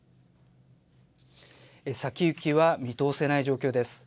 先行きは見通せない状況です。